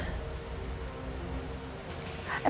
ntar aku nungguin dia